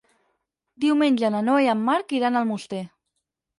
Diumenge na Noa i en Marc iran a Almoster.